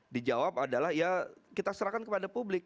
dijawab adalah ya kita serahkan kepada publik